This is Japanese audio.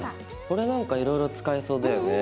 これなんかいろいろ使えそうだよね。